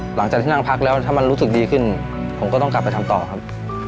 หลังจากที่นั่งพักแล้วถ้ามันรู้สึกดีขึ้นผมก็ต้องกลับไปทำต่อครับ